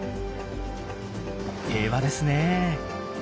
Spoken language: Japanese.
平和ですね。